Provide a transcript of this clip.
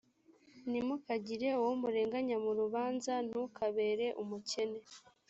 ntimukagire uwo murenganya mu rubanza ntukabere umukene